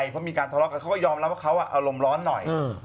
เพราะมีการทะเลาะกันเขาก็ยอมรับว่าเขาอารมณ์ร้อนหน่อย